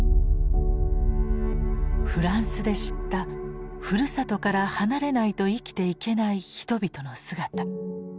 フランスで知ったふるさとから離れないと生きていけない人々の姿。